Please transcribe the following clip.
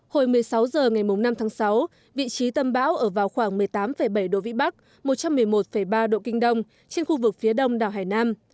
hồi một mươi sáu h ngày năm tháng sáu vị trí tâm bão ở vào khoảng một mươi tám bảy độ vĩ bắc một trăm một mươi một ba độ kinh đông trên khu vực phía đông đảo hải nam